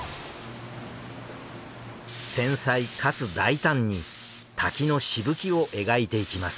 繊細かつ大胆に滝のしぶきを描いていきます。